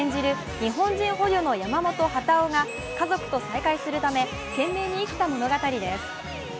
日本人捕虜の山本幡男が家族と再会するため、懸命に生きた物語です。